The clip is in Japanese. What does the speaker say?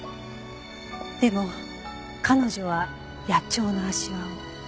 でも彼女は野鳥の足環を。